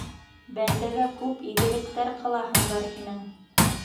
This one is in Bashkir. Бәндәгә күп игелектәр ҡылаһың бар һинең.